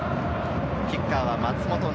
キッカーは松本凪